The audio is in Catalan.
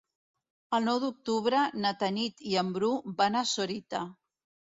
El nou d'octubre na Tanit i en Bru van a Sorita.